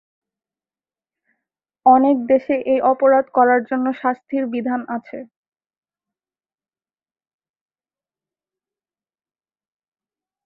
অনেক দেশে এই অপরাধ করার জন্য শাস্তির বিধান আছে।